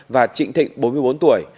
và trịnh thịnh bốn mươi bốn tuổi